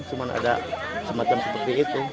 cuma ada semacam seperti itu